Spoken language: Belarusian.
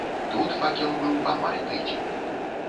Тут факел быў амаль тыдзень.